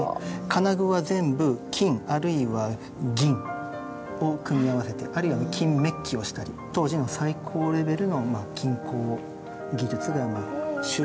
金具は全部金あるいは銀を組み合わせてあるいは金メッキをしたり当時の最高レベルの金工技術が。